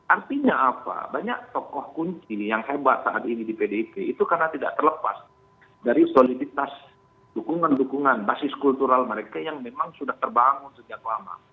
artinya apa banyak tokoh kunci yang hebat saat ini di pdip itu karena tidak terlepas dari soliditas dukungan dukungan basis kultural mereka yang memang sudah terbangun sejak lama